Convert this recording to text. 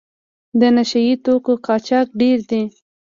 د نشه یي توکو قاچاق ډېر دی.